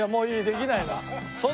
できないの。